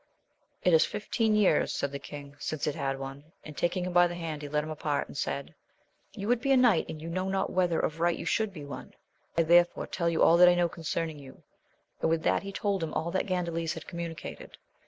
It is fifteen years, said the king, since it had one; and, taking him by the hand, he led him apart, and said, You would be a knight, and you know not whether of right you should be one. I therefore tell you all that I know concerning you, and with that he told him all that Gandales had communicated.